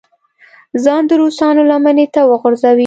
ځان د روسانو لمنې ته وغورځوي.